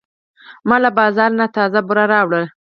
ما له بازار نه تازه بوره راوړه.